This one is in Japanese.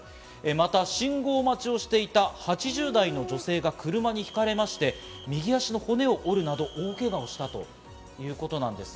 また信号待ちをしていた８０代の女性が車にひかれまして、右足の骨を折るなど大けがをしたということです。